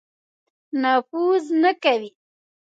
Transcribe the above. نفوذ نه کوي.